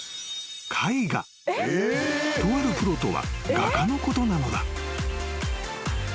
［とあるプロとは画家のことなのだ］